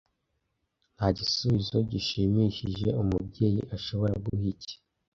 Nta gisubizo gishimishije umubyeyi ashobora guha iki.